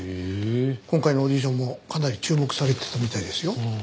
今回のオーディションもかなり注目されてたみたいですよ。